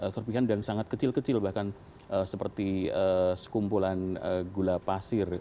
serpihan dan sangat kecil kecil bahkan seperti sekumpulan gula pasir